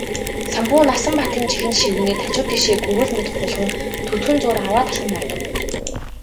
Самбуу Насанбатын чихэнд шивгэнээд хажуу тийшээ гүрвэл мэт гулган төдхөн зуур арваад алхам холдов.